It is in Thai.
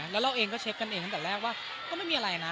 แล้วเราเองก็เช็คกันเองตั้งแต่แรกว่าก็ไม่มีอะไรนะ